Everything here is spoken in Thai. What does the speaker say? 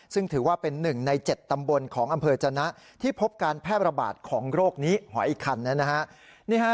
ซึ่งถือว่าเป็น๑ใน๗ตำบลของอำเภอจนะที่พบการแพร่ระบาดของโรคนี้หอยคันนะฮะ